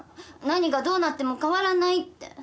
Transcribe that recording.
何がどうなっても変わらないって。